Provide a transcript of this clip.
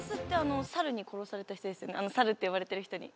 猿って呼ばれてる人に。